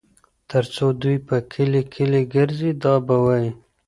تر څو دوى په کلي کلي ګرځي دا به وايي